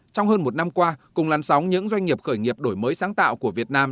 trong hơn một năm qua cùng lăn sóng những doanh nghiệp khởi nghiệp đổi mới sáng tạo của việt nam